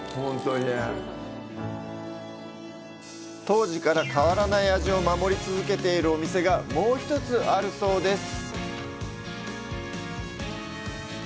当時から変わらない味を守り続けているお店が、もう１つ、あるそうです。